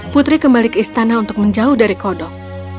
putri kembali ke istana untuk menjauh dari kodok